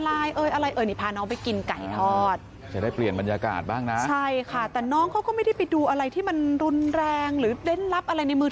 อ่านการ์ตูนออนไลน์เอ้ยอะไรเอ้ย